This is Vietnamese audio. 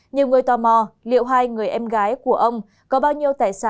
nhiều người tò mò liệu hai người em gái